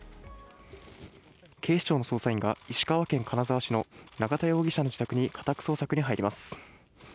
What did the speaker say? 警視庁の捜査員が、石川県金沢市の永田容疑者の自宅に家宅捜索に入ります。